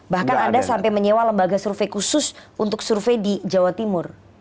bahkan anda sampai menyewa lembaga survei khusus untuk survei di jawa timur